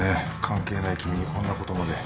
関係ない君にこんなことまで。